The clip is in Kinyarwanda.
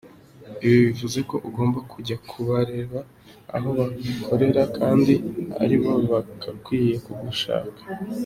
Ibi bivuze ko ugomba kujya kubareba aho bakorera kandi ari bo bagakwiye kugushaka.